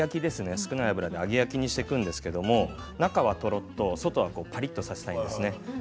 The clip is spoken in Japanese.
少ない油で揚げ焼きにしていくんですが中はとろっと外はパリっとさせたいんですね。